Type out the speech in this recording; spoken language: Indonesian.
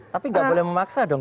tapi gak boleh memaksa dong